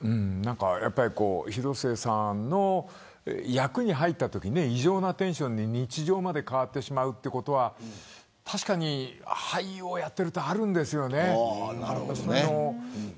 広末さんの役に入ったときに異常なテンションで日常まで変わってしまうということは確かに俳優をやっているとあるんです。